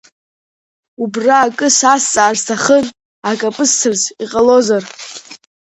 Убра акы сазҵаар сҭахын, ак аԥысҵарц, иҟалозар?!